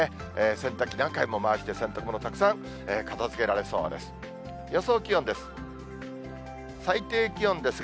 洗濯機、何回も回して、洗濯物たくさん片づけられそうです。